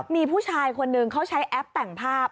มีผู้ชายคนหนึ่งเขาใช้แอปแต่งภาพ